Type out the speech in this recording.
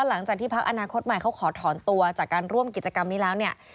หลังจากที่พักอนาคตใหม่เขาขอถอนตัวจากการร่วมกิจกรรมนี้แล้วเนี่ย